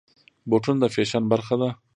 بوټونه د فیشن برخه ده.